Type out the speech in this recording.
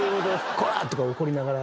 「コラ！」とか怒りながら？